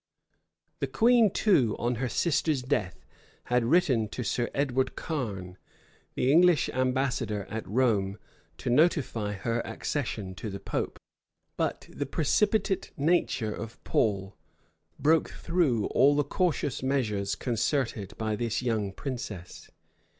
The queen too, on her sister's death, had written to Sir Edward Carne, the English ambassador at Rome, to notify her accession to the pope; but the precipitate nature of Paul broke through all the cautious measures concerted by this young princess.